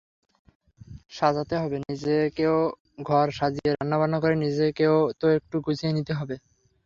সাজাতে হবে নিজেকেওঘর সাজিয়ে রান্নাবান্না করে নিজেকেও তো একটু গুছিয়ে নিতে হবে।